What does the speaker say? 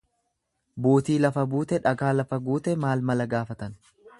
Buutii lafa buute dhakaa lafa guute maal mala gaafatan.